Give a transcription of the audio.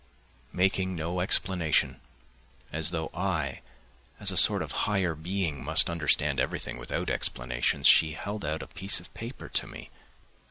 Making no explanation, as though I, as a sort of higher being, must understand everything without explanations, she held out a piece of paper to me.